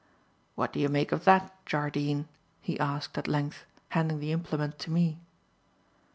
"What do you make of that, Jardine?" he asked, at length, handing the implement to me.